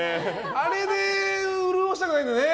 あれで潤したくないんだよね。